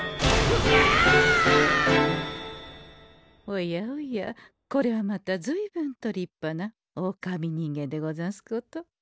おやおやこれはまたずいぶんと立派なおおかみ人間でござんすこと。